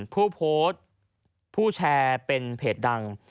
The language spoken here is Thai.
ผู้โพสต์ผู้แชร์เป็นเพจดัง